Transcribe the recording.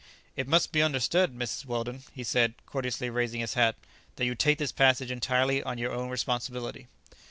"It must be understood, Mrs. Weldon," he said, courteously raising his hat, "that you take this passage entirely on your own responsibility."